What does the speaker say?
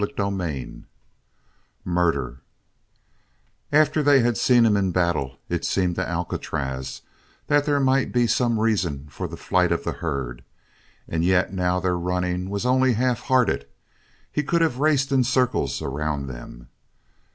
CHAPTER VIII MURDER After they had seen him in battle it seemed to Alcatraz that there might be some reason for the flight of the herd and yet now their running was only half hearted; he could have raced in circles around them.